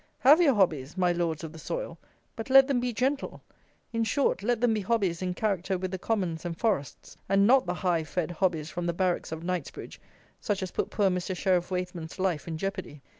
Have your hobbies, my Lords of the Soil, but let them be gentle; in short, let them be hobbies in character with the commons and forests, and not the high fed hobbies from the barracks at Knightsbridge, such as put poor Mr. Sheriff Waithman's life in jeopardy.